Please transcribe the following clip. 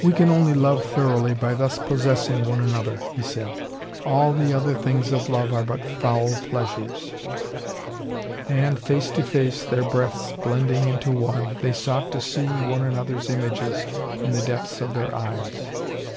"We can only love thoroughly by thus possessing one another," he said. "All the other things of love are but foul pleasures." And, face to face, their breaths blending into one, they sought to see one another's images in the depths of their eyes.